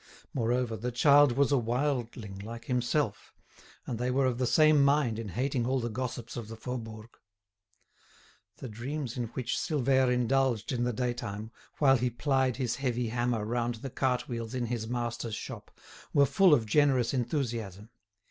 Moreover, the child was a wildling, like himself, and they were of the same mind in hating all the gossips of the Faubourg. The dreams in which Silvère indulged in the daytime, while he plied his heavy hammer round the cartwheels in his master's shop, were full of generous enthusiasm.